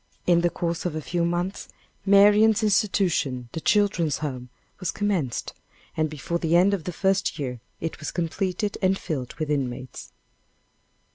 In the course of a few months, Marian's institution, "The Children's Home," was commenced, and before the end of the first year, it was completed and filled with inmates.